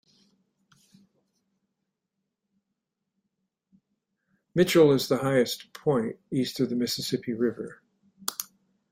Mitchell is the highest point east of the Mississippi River.